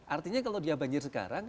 artinya kalau dia banjir sekarang